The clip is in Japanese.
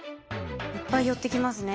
いっぱい寄ってきますね。